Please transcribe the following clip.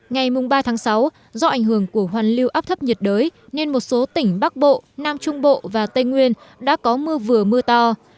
ngày ba sáu do ảnh hưởng của hoàn lưu áp thấp nhiệt đới nên một số tỉnh bắc bộ nam trung bộ và tây nguyên đã có mưa vừa mưa to